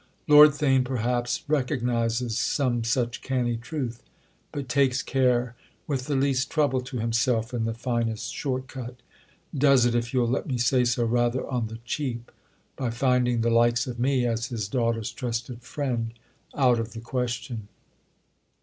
"Lord Theign perhaps recognises some such canny truth, but 'takes care,' with the least trouble to himself and the finest short cut—does it, if you'll let me say so, rather on the cheap—by finding 'the likes' of me, as his daughter's trusted friend, out of the question."